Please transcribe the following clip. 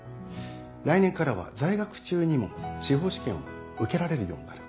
来年からは在学中にも司法試験を受けられるようになる。